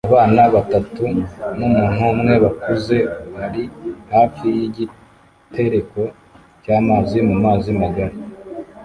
Abana batatu numuntu umwe bakuze bari hafi yigitereko cyamazi mu mazi magari